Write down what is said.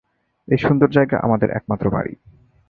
এই সুন্দর জায়গা আমাদের একমাত্র বাড়ি।